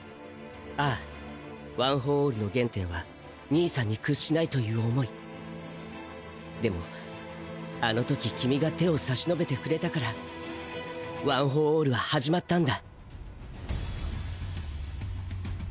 ああワン・フォー・オールの原点は兄さんに屈しないという思いでもあの時君が手を差し伸べてくれたからワン・フォー・オールは始まったんだ。